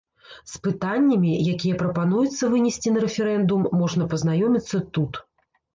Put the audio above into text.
З пытаннямі, якія прапануецца вынесці на рэферэндум, можна пазнаёміцца тут.